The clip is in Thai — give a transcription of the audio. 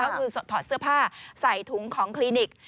ก็คือถอดเสื้อผ้าใส่ถุงของคลินิก